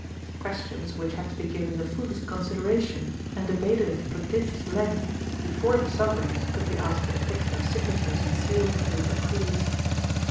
Questions which had to be given the fullest consideration and debated at prodigious length before the Sovereigns could be asked to affix their signatures and seals to the decrees.